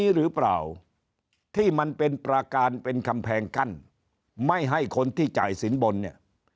หรือเปล่าที่มันเป็นประการเป็นคำแพงกั้นไม่ให้คนที่จ่ายสินบนเนี่ย